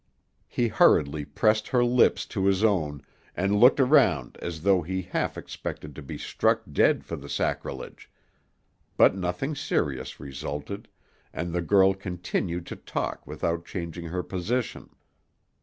He hurriedly pressed her lips to his own, and looked around as though he half expected to be struck dead for the sacrilege, but nothing serious resulted, and the girl continued to talk without changing her position.